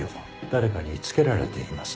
誰かにつけられています。